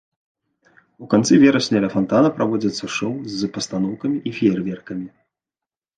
У канцы верасня ля фантана праводзяцца шоу з пастаноўкамі і феерверкам.